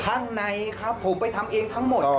ข้างในครับผมไปทำเองทั้งหมด